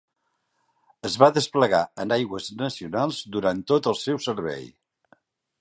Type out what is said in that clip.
Es va desplegar en aigües nacionals durant tot el seu servei.